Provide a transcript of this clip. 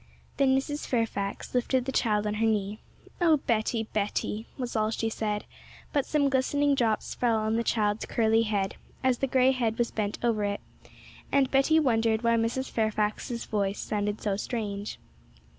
Then Mrs. Fairfax lifted the child on her knee. 'Oh Betty, Betty!' was all she said, but some glistening drops fell on the child's curly head, as the grey head was bent over it, and Betty wondered why Mrs. Fairfax's voice sounded so strange.